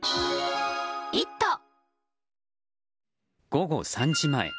午後３時前。